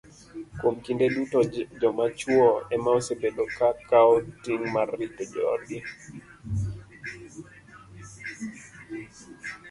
Kuom kinde duto, joma chwo ema osebedo ka kawo ting' mar rito joodgi